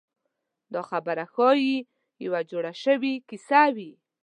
دا خبره ښایي یوه جوړه شوې کیسه وي.